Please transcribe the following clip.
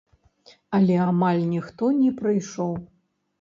Але амаль ніхто не прыйшоў.